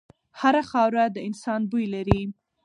هره خاوره د انسان بوی لري.